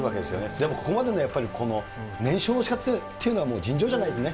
でもここまでの燃焼のしかたっていうのは、尋常じゃないですね。